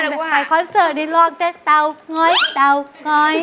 ในคอนเสิร์ตนี้ลองจะเตาง้อยเตาง้อย